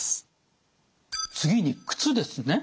次に靴ですね。